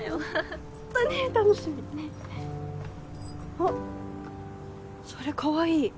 あっそれかわいい。